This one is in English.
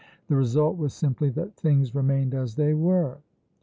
The result was simply that things remained as they were.